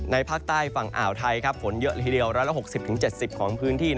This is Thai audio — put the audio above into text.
ภาคใต้ฝั่งอ่าวไทยฝนเยอะละทีเดียว๑๖๐๗๐ของพื้นที่